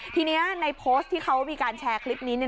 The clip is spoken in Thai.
ทีนี้ในโพสต์ที่เขามีการแชร์คลิปนี้